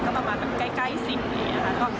ก็ประมาณแก้สิบ